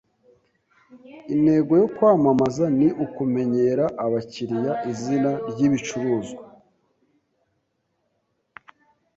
Intego yo kwamamaza ni ukumenyera abakiriya izina ryibicuruzwa.